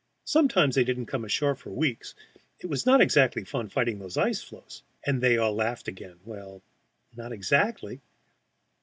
Sometimes they didn't come ashore for weeks; it was not exactly fun fighting those ice floes. And they all laughed again; well, not exactly!